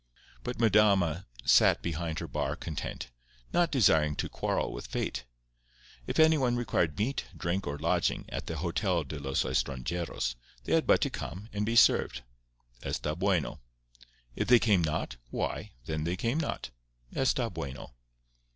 But Madama sat behind her bar content, not desiring to quarrel with Fate. If anyone required meat, drink or lodging at the Hotel de los Estranjeros they had but to come, and be served. Está bueno. If they came not, why, then, they came not. _Está bueno.